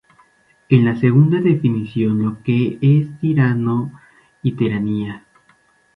En la segunda define lo que es tirano y tiranía.